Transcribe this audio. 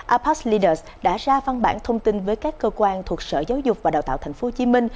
apac leaders đã ra văn bản thông tin với các cơ quan thuộc sở giáo dục và đào tạo tp hcm